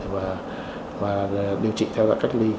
và điều trị theo dõi cách ly